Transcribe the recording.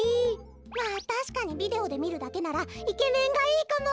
まあたしかにビデオでみるだけならイケメンがいいかも！